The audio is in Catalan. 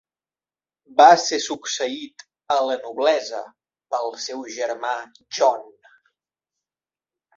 Va ser succeït a la noblesa pel seu germà John.